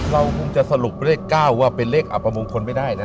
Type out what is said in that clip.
เราคงจะสรุปเลข๙ว่าเป็นเลขอับประมงคลไม่ได้นะ